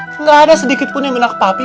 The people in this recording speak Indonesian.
tidak ada sedikit pun yang minak papi